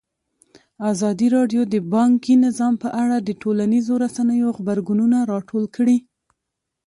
ازادي راډیو د بانکي نظام په اړه د ټولنیزو رسنیو غبرګونونه راټول کړي.